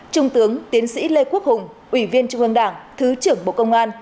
trung tướng tiến sĩ lê quốc hùng ủy viên trung ương đảng thứ trưởng bộ công an